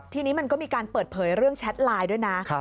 ทีนี้มันก็มีการเปิดเผยเรื่องแชทไลน์ด้วยนะ